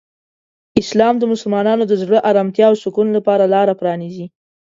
اسلام د مسلمانانو د زړه آرامتیا او سکون لپاره لاره پرانیزي.